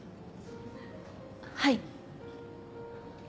はい。